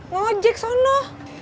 nggak mau jek ke sana